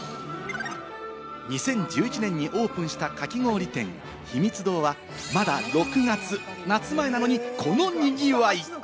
２０１１年にオープンした、かき氷店・ひみつ堂はまだ６月、夏前なのにこの賑わい！